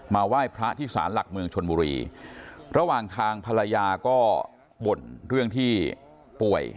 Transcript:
ไหว้พระที่สารหลักเมืองชนบุรีระหว่างทางภรรยาก็บ่นเรื่องที่ป่วย